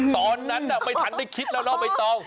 ตอนนั้นไม่ทันได้คิดแล้วเนาะใบตอง